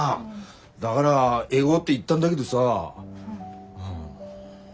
だがら行ごうって言ったんだげどさ。